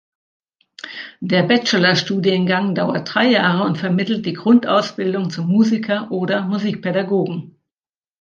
Der Bachelor-Studiengang dauert drei Jahre und vermittelt die Grundausbildung zum Musiker oder Musikpädagogen.